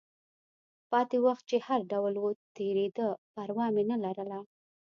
پاتې وخت چې هر ډول و، تېرېده، پروا مې نه لرله.